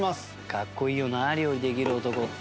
かっこいいよな料理できる男って。